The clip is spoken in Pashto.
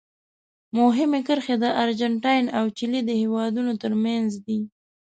مهمې کرښې د ارجنټاین او چیلي د هېوادونو ترمنځ دي.